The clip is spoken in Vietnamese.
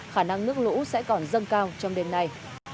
khả năng nước lũ sẽ còn dâng cao trong đêm nay